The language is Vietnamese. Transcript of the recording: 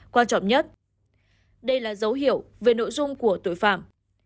quan trọng nhất đây là dấu hiệu về nội dung của tội phạm